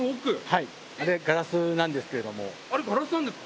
はいあれガラスなんですけどあれガラスなんですか？